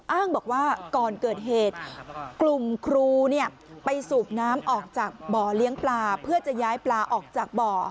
อ้างบอกว่าก่อนเกิดเหตุกลุ่มครูไปสูบน้ำออกจากบ่อเลี้ยงปลาเพื่อจะย้ายปลาออกจากบ่อ